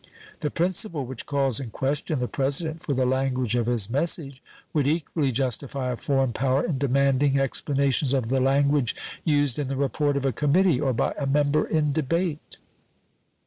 The principle which calls in question the President for the language of his message would equally justify a foreign power in demanding explanations of the language used in the report of a committee or by a member in debate.